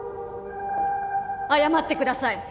謝ってください！